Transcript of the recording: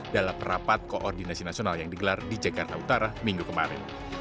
dalam rapat koordinasi nasional yang digelar di jakarta utara minggu kemarin